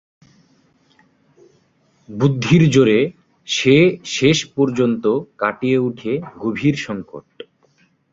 বুদ্ধির জোরে সে শেষ পর্যন্ত কাটিয়ে ওঠে গভীর সংকট।